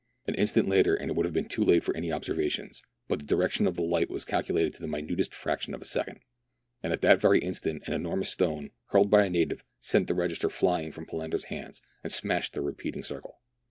An instant later, and it would have been too late for any observations, but the direction of the light was calculated to the minutest fraction of a second ; and at that very instant an enormous stone, hurled by a native, sent the register flying from Palander's hands, and smashed the repeating circle.